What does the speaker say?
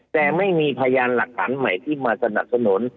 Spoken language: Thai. แต่ไม่มีพยานหลักฐานใหม่ที่มาสนับสนุน